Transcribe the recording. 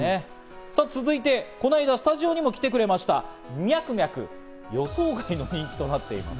続いて、この間スタジオにも来てくれましたミャクミャク、予想外の人気となっています。